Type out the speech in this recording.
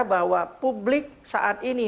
bahwa publik saat ini